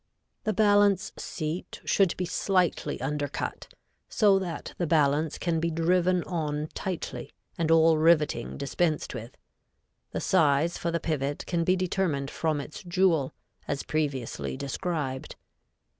The balance seat should be slightly undercut, so that the balance can be driven on tightly and all riveting dispensed with. The size for the pivot can be determined from its jewel, as previously described.